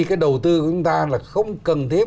cái đầu tư của chúng ta là không cần thiết